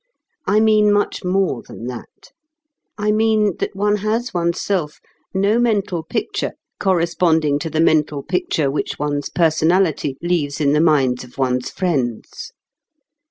I mean much more than that. I mean that one has one's self no mental picture corresponding to the mental picture which one's personality leaves in the minds of one's friends.